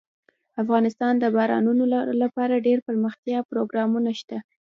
افغانستان کې د بارانونو لپاره دپرمختیا پروګرامونه شته.